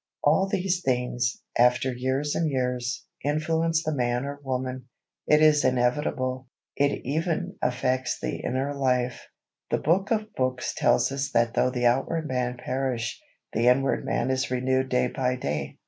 All these things, after years and years, influence the man or woman. It is inevitable. It even affects the inner life. The Book of books tells us that though the outward man perish, the inward man is renewed day by day.